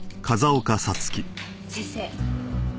先生。